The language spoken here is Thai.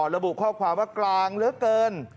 ระบุข้อความว่ากลางเหลือเกิน